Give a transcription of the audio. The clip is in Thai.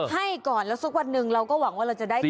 ให้ก่อนแล้วสักวันหนึ่งเราก็หวังว่าเราจะได้เงิน